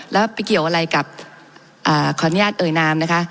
แล้วไปเกี่ยวอะไรกับขออนุญาตเอ่ยนามนะคะ